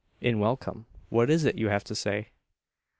"In welcome. What is it you have to say?"